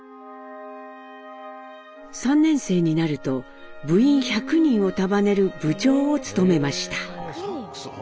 ３年生になると部員１００人を束ねる部長を務めました。